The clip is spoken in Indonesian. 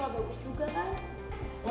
gak bagus juga kan